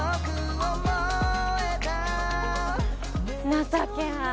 情けない。